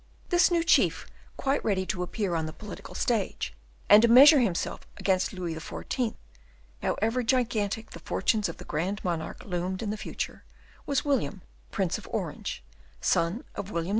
This new chief, quite ready to appear on the political stage, and to measure himself against Louis XIV., however gigantic the fortunes of the Grand Monarch loomed in the future, was William, Prince of Orange, son of William II.